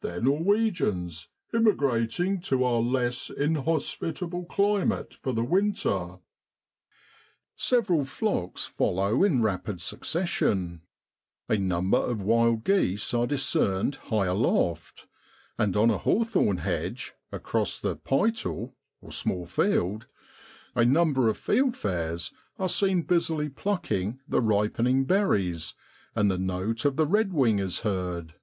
They're Norwegians immigrating to our less inhospitable climate for the winter. OCTOBER IN BROADLAND. 109 Several flocks follow in rapid succession; a number of wild geese are discerned high aloft; and on a hawthorn hedge across the ' pightle' (small field) a number of fieldfares are seen busily plucking the ripening berries ; and the note of the redwing is heard.